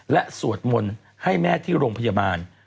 และสวดมนต์ให้แม่ที่โรงพยาบาล